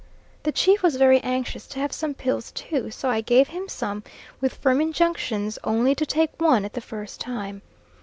The chief was very anxious to have some pills too; so I gave him some, with firm injunctions only to take one at the first time.